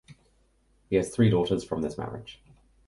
He has three daughters from this marriage.